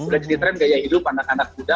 udah jadi tren gaya hidup anak anak muda